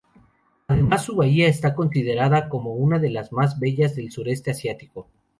Además su bahía está considerada como una de las más bellas del sureste asiático.